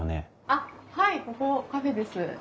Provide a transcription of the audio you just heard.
あっはいここカフェです。